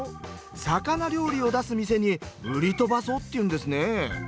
魚料理を出す店に売り飛ばそうっていうんですね。